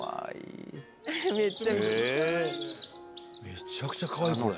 めちゃくちゃかわいいこれ。